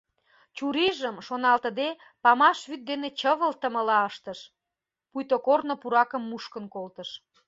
Чурийжым, шоналтыде, памаш вӱд дене чывылтымыла ыштыш, пуйто корно пуракым мушкын колтыш.